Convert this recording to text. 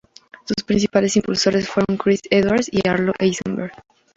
Sus principales impulsores fueron Chris Edwards y Arlo Eisenberg.